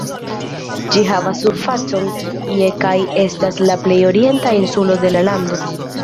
Ĝi havas surfacon je kaj estas la plej orienta insulo de la lando.